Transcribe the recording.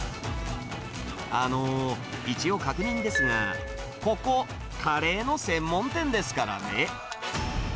あのー、一応確認ですが、ここ、カレーの専門店ですからね。